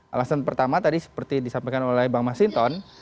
alasan pertama tadi seperti disampaikan oleh bang mas hinton